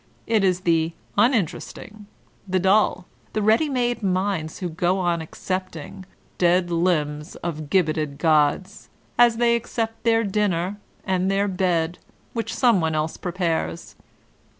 It is the uninterest ing, the dull, the ready made minds who go on accepting ''Dead limbs of gibbeted gods,'* as they accept their dinner and their bed, which someone else prepares.